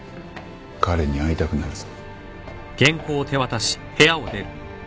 彼に会いたくなるぞ。